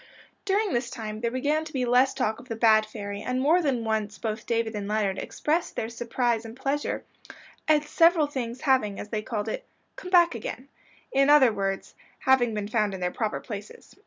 During this time there began to be less talk of "the bad fairy," and more than once both David and Leonard expressed their surprise and pleasure at several things having, as they called it, "come back again;" in other words, having been found in their proper places.